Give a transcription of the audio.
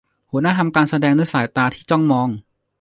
หัวหน้าทำการแสดงด้วยสายตาที่จ้องมอง